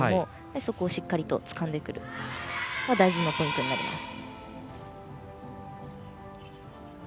そこをしっかりつかむのが大事なポイントになります。